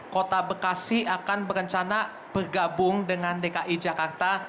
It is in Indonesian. kota bekasi akan berencana bergabung dengan dki jakarta